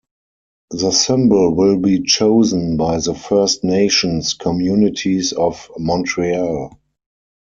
The symbol will be chosen by the First Nations communities of Montreal.